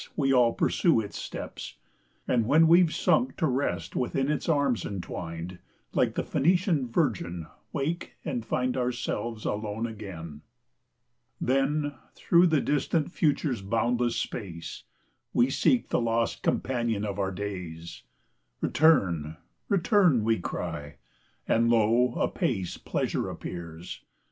we all pursue its steps! and when We've sunk to rest within its arms entwined, Like the Phoenician virgin, wake, and find Ourselves alone again. Then, through the distant future's boundless space, We seek the lost companion of our days: "Return, return!" we cry, and lo, apace Pleasure appears!